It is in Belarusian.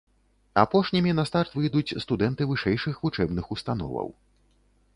Апошнімі на старт выйдуць студэнты вышэйшых вучэбных установаў.